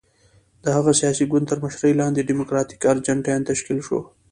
د هغه سیاسي ګوند تر مشرۍ لاندې ډیموکراتیک ارجنټاین تشکیل شو.